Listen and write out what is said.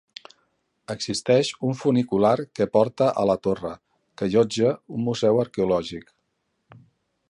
Existeix un funicular que porta a la torre, que allotja un museu arqueològic.